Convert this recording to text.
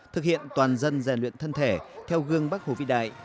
thực hiện toàn dân rèn luyện thân thể theo gương bắc hồ vĩ đại